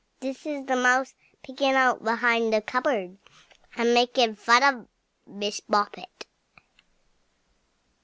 This is the Mouse peeping out behind the cupboard, and making fun of Miss Moppet.